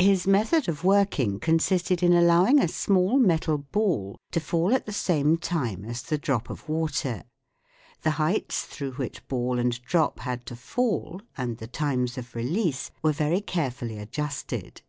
His mrthod of working consisted in allowing a small metal ball to fall at the same time as the drop of water. The heights through which ball and drop had to fall, and the times of release, were very carefully adjusted.